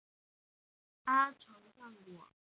阿船战国时代到江户时代初期的女性。